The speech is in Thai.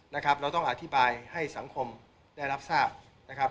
นะครับเราต้องอธิบายให้สังคมได้รับทราบนะครับ